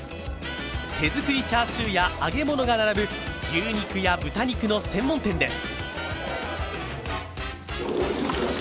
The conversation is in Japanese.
手作りチャーシューや揚げ物が並ぶ牛肉や豚肉の専門店街です。